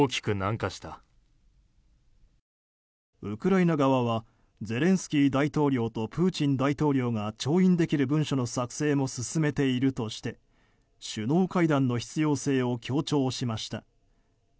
ウクライナ側はゼレンスキー大統領とプーチン大統領が調印できる文書の作成を進めているとして首脳会談の必要性を強調しました。